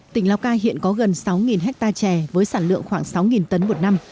tỉnh lào cai hiện có gần sáu hectare chè với sản lượng khoảng sáu tấn một năm